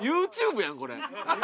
ＹｏｕＴｕｂｅやんこれ。